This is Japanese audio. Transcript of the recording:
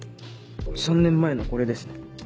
３年前のこれですね。